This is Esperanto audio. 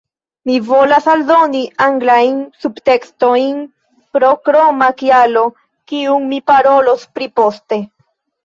Mi volas aldoni anglajn subtekstojn pro kroma kialo kiun mi parolos pri poste